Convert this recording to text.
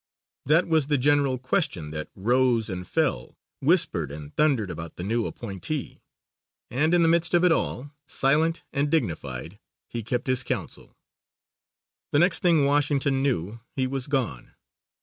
That was the general question that rose and fell, whispered and thundered about the new appointee, and in the midst of it all, silent and dignified, he kept his council. The next thing Washington knew he was gone.